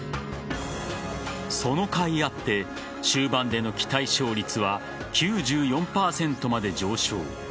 そのかいあって終盤での期待勝率は９４％まで上昇。